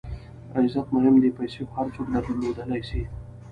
عزت مهم دئ، پېسې خو هر څوک درلودلای سي.